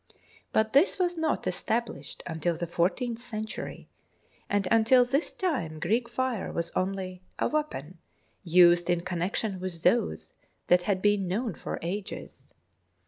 But this was not established until the fourteenth century, and until this time Greek fire was only a weapon used in connection with those that had been known for ages.